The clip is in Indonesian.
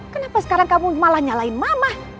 kenapa sekarang kamu malah nyalain mamah